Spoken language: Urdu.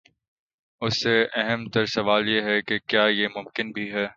اس سے اہم تر سوال یہ ہے کہ کیا یہ ممکن بھی ہے؟